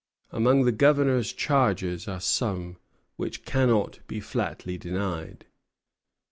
Among the Governor's charges are some which cannot be flatly denied.